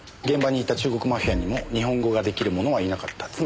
現場にいた中国マフィアにも日本語が出来る者はいなかった。